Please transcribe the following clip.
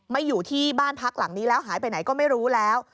อยู่ที่บ้านพักหลังนี้แล้วหายไปไหนก็ไม่รู้แล้ว